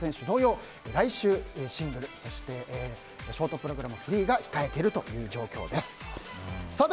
同様来週、シングルのショートプログラム、フリーが控えているという状況です。